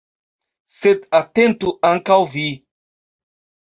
Sed atentu ankaŭ vi.